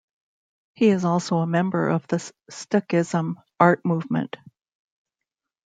He is also a member of the Stuckism art movement.